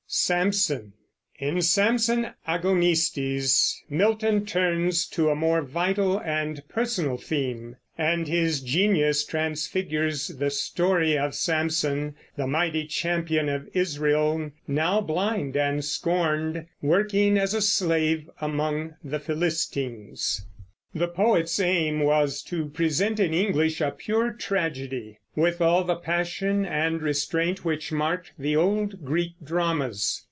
In Samson Agonistes Milton turns to a more vital and personal theme, and his genius transfigures the story of Samson, the mighty champion of Israel, now blind and scorned, working as a slave among the Philistines. The poet's aim was to present in English a pure tragedy, with all the passion and restraint which marked the old Greek dramas.